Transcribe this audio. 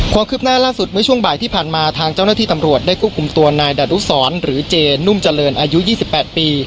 ความคืบหน้าล่าสุดเมื่อช่วงบ่ายที่ผ่านมาทางเจ้าหน้าที่ตำรวจได้ควบคุมตัวนายดารุสรหรือเจนุ่มเจริญอายุ๒๘ปี